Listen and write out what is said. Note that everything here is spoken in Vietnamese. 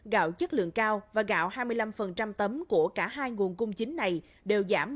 gạo chất lượng cao và gạo hai mươi năm tấm của cả hai nguồn cung chính này đều giảm